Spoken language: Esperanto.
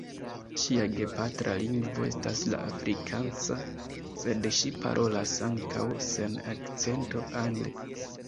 Ŝia gepatra lingvo estas la afrikansa, sed ŝi parolas ankaŭ sen akcento angle.